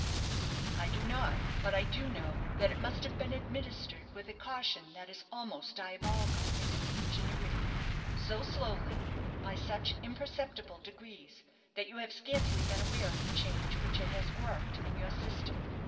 "I do not; but I do know that it must have been administered with a caution that is almost diabolical in its ingenuity so slowly, by such imperceptible degrees, that you have scarcely been aware of the change which it has worked in your system.